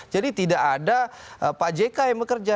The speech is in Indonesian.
jadi tidak ada pak jk yang bekerja